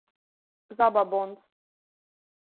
Zababons.